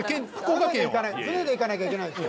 船で行かなきゃいけないでしょ